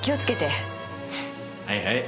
はいはい。